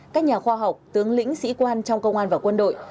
các nhà khoa học tướng lĩnh sĩ quan trong công an và quân đội